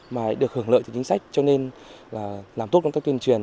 mà được hưởng lợi từ chính sách cho nên là làm tốt công tác tuyên truyền